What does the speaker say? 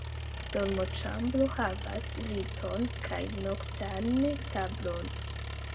La dormoĉambro havas liton kaj noktan tablon.